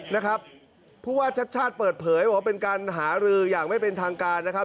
นะครับผู้ว่าชัดชาติเปิดเผยบอกว่าเป็นการหารืออย่างไม่เป็นทางการนะครับ